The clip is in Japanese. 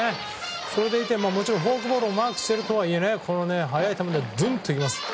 それでいてもちろんフォークボールもマークしているとはいえ速い球でズンといきます。